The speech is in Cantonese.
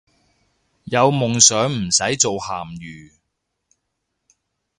有夢想唔使做鹹魚